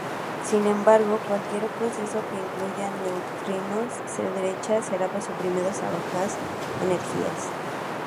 Sin embargo, cualquier proceso que incluya neutrinos de derecha será suprimido a bajas energías.